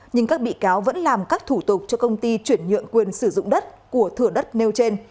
nhưng các bị cáo vẫn làm các thủ tục cho công ty chuyển nhượng quyền sử dụng đất của thửa đất nêu trên